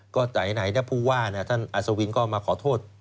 ก็ไหนนะผู้ว่าท่านอัศวินก็มาขอโทษ